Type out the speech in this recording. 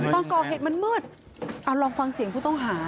ตอนก่อเหตุมันมืดเอาลองฟังเสียงผู้ต้องหา